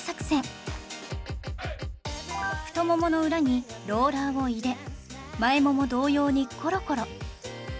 太ももの裏にローラーを入れ前もも同様にコロコロ